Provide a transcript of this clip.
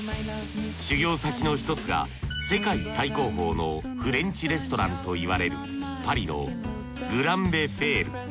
修業先の一つが世界最高峰のフレンチレストランといわれるパリのグラン・ヴェフール。